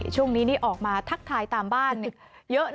ช่วงนี้นี่ออกมาทักทายตามบ้านเยอะ